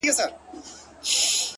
يو څو ژونده يې لاسو کي را ايسار دي!